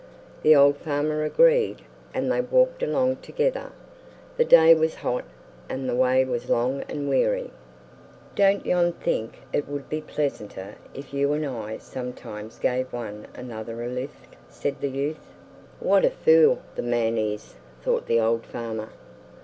The old farmer agreed, and they walked along together. The day was hot, and the way was long and weary. "Don't yon think it would be pleasanter if you and I sometimes gave one another a lift?" said the youth. "What a fool the man is!" thought the old farmer.